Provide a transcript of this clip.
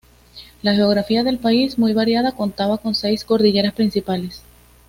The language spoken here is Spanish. La geografía del país, muy variada, contaba con seis cordilleras principales.